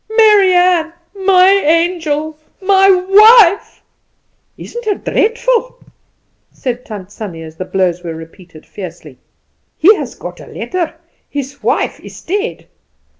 "Mary Ann! my angel! my wife!" "Isn't it dreadful?" said Tant Sannie, as the blows were repeated fiercely. "He has got a letter; his wife is dead.